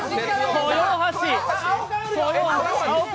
豊橋！